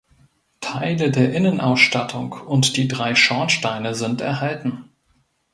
Teile der Innenausstattung und die drei Schornsteine sind erhalten.